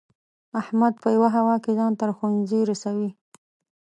احمد په یوه هوا کې ځان تر ښوونځي رسوي.